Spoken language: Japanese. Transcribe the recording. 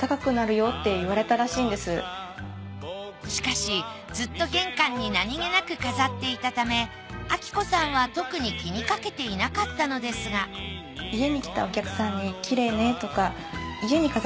しかしずっと玄関に何気なく飾っていたため章子さんは特に気にかけていなかったのですが鑑定